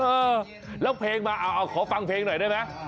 เออแล้วเพลงมาเอาขอฟังเพลงหน่อยได้ไหม